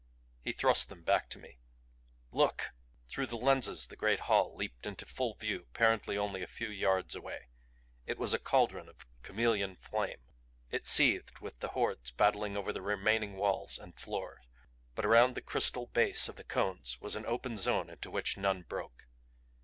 He thrust them back to me. "Look!" Through the lenses the great hall leaped into full view apparently only a few yards away. It was a cauldron of chameleon flame. It seethed with the Hordes battling over the remaining walls and floor. But around the crystal base of the cones was an open zone into which none broke.